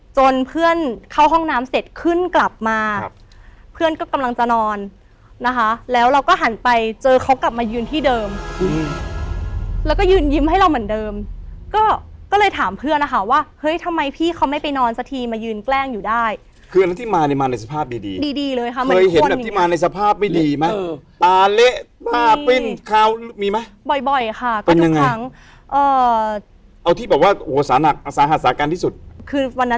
จนเพื่อนเข้าห้องน้ำเสร็จขึ้นกลับมาเพื่อนก็กำลังจะนอนนะคะแล้วเราก็หันไปเจอเขากลับมายืนที่เดิมแล้วก็ยืนยิ้มให้เราเหมือนเดิมก็ก็เลยถามเพื่อนนะคะว่าเฮ้ยทำไมพี่เขาไม่ไปนอนสักทีมายืนแกล้งอยู่ได้คืออันนั้นที่มาเนี้ยมาในสภาพดีดีดีดีเลยค่ะเคยเห็นแบบที่มาในสภาพไม่ดีมั้ยเออตาเละบ้าปิ้นขาวมีมั้